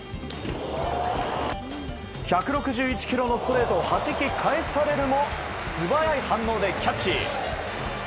１６１キロのストレートをはじき返されるも素早い反応でキャッチ。